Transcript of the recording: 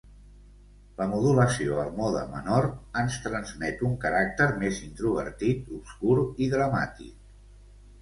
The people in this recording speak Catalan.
La modulació al mode menor ens transmet un caràcter més introvertit, obscur i dramàtic.